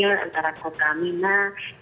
karena merupakan salah satu warkipnya haji